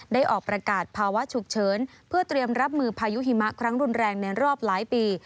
ออกประกาศภาวะฉุกเฉินเพื่อเตรียมรับมือพายุหิมะครั้งรุนแรงในรอบหลายปี